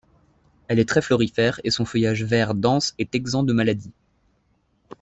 Elle est très florifère et son feuillage vert dense est exempt de maladies.